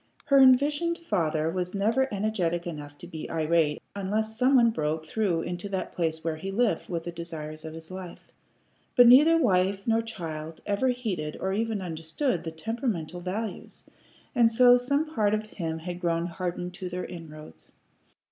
Her envisioned father was never energetic enough to be irritable unless some one broke through into that place where he lived with the desires of his life. But neither wife nor child ever heeded or even understood the temperamental values, and so some part of him had grown hardened to their inroads.